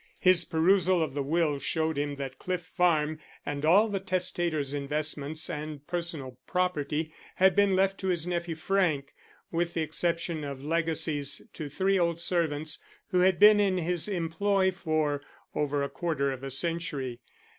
His perusal of the will showed him that Cliff Farm and all the testator's investments and personal property had been left to his nephew Frank, with the exception of legacies to three old servants who had been in his employ for over a quarter of a century.